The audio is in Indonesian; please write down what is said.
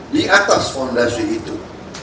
di atas fondasi itu